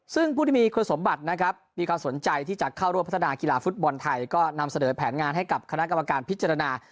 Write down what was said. ซึ่งผู้ที่มีคุณสมบัตินะครับมีความสนใจที่จะเข้าร่วมพัฒนากีฬาฟุตบอลไทยก็นำเสนอแผนงานให้กับคณะกรรมการพิจารณา